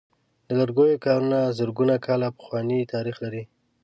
د لرګیو کارونه زرګونه کاله پخوانۍ تاریخ لري.